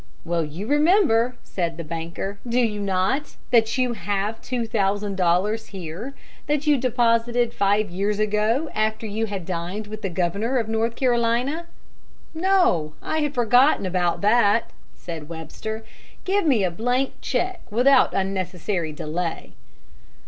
"Well, you remember," said the banker, "do you not, that you have two thousand dollars here, that you deposited five years ago, after you had dined with the Governor of North Carolina?" "No, I had forgotten about that," said Webster. "Give me a blank check without unnecessary delay."